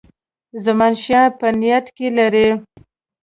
زمانشاه په نیت کې لري.